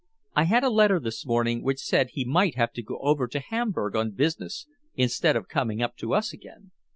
I had a letter this morning which said he might have to go over to Hamburg on business, instead of coming up to us again."